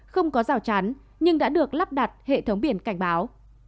không có rào chắn nhưng đã được lắp đặt hệ thống biển cảnh báo